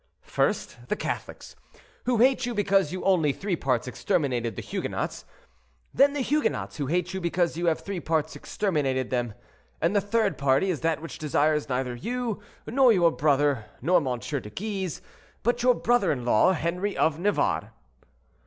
"First the Catholics, who hate you because you only three parts exterminated the Huguenots: then the Huguenots, who hate you because you have three parts exterminated them; and the third party is that which desires neither you, nor your brother, nor M. de Guise, but your brother in law, Henri of Navarre."